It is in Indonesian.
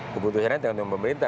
kebutuhannya tinggal di pemerintah